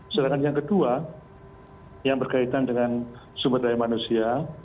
sedangkan yang kedua yang berkaitan dengan sumber daya manusia